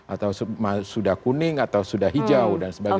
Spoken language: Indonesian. atau sudah kuning atau sudah hijau dan sebagainya